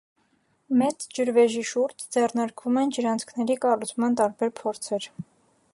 Մեծ ջրվեժի շուրջ ձեռնարկվում են ջրանցքների կառուցման տարբեր փորձեր։